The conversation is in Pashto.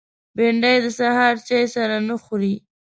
بېنډۍ د سهار چای سره نه خوري